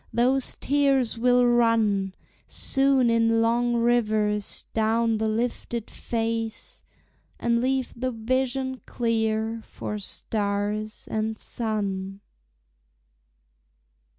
Those tears will run Soon in long rivers down the lifted face, And leave the vision clear for stars and sun.